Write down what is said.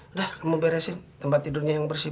udah kamu beresin tempat tidurnya yang bersih